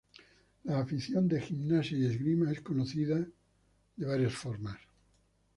La afición de Gimnasia y Esgrima es conocida de varias formas.